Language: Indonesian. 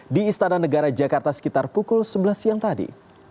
di istana negara jakarta sekitar pukul sebelas siang tadi